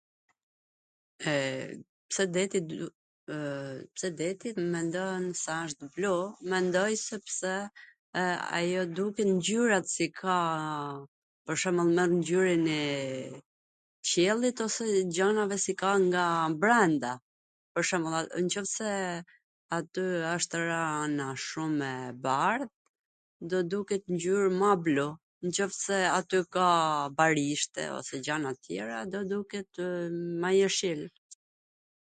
E, pse deti mendon se asht blu? Mendoj sepse ajo duket si ka pwr shwmbwll nwn ngjyrwn e qellit ose tw ngjyrave si ka nga brwnda, pwr shwmbwl, nwqoftse aty wsht rana shum e bardh, do duket ngjyr ma blu, nwqoftse aty ka barishte ose gjana tjera, do duket, do duketw ma jeshil...